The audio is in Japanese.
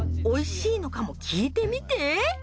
おいしいのかも聞いてみて。